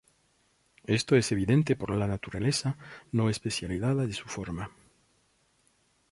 Esto es evidente por la naturaleza no especializada de su forma.